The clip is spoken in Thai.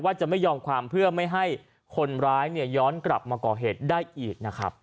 จะไม่ยอมความเพื่อไม่ให้คนร้ายย้อนกลับมาก่อเหตุได้อีกนะครับ